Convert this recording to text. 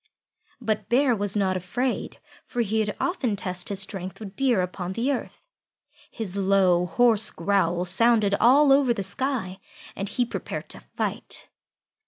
But Bear was not afraid, for he had often tested his strength with Deer upon the earth. His low, hoarse growls sounded all over the sky, and he prepared to fight.